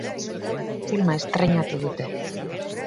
Filma estreinatu dute.